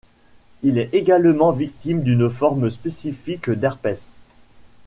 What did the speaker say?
Il est également victime d'une forme spécifique d'herpès.